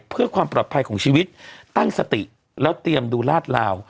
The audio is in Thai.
เพื่อความปลอดภัยของชีวิตตั้งสติแล้วเตรียมดูลาดลาว